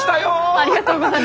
ありがとうございます。